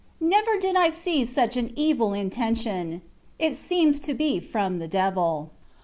Never did I see such an evil invention : it seems to be from the devil.